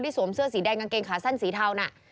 สวมเสื้อสีแดงกางเกงขาสั้นสีเทาน่ะ